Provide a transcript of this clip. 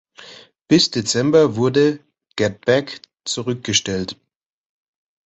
Bis Dezember wurde „Get Back“ zurückgestellt.